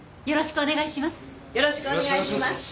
よろしくお願いします。